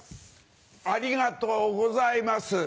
ありがとうございます。